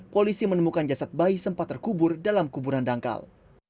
polisi menemukan jasad bayi sempat terkubur dalam kuburan dangkal